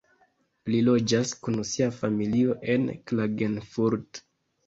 Li loĝas kun sia familio en Klagenfurt.